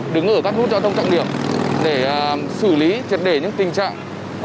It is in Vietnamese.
đứng ở các khu trọng điểm để xử lý triệt đề những tình trạng